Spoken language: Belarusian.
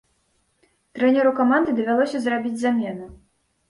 Трэнеру каманды давялося зрабіць замену.